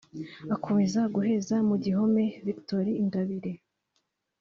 Akomeje guheza mu gihome Victoire Ingabire